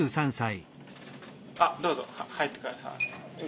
あっどうぞ入って下さい。